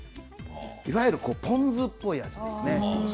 いわゆる、ポン酢っぽい味ですね。